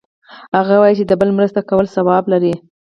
هغه وایي چې د بل مرسته کول ثواب لری